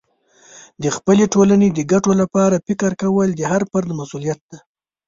د خپلې ټولنې د ګټو لپاره فکر کول د هر فرد مسئولیت دی.